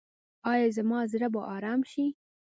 ایا زما زړه به ارام شي؟